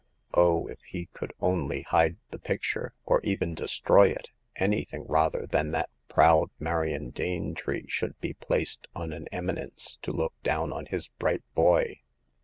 Oh, if he could only hide the picture, or even destroy it !— anything rather than that proud Marion Danetree should be The Fifth Customer. 149 placed on an eminence to look down on his bright boy.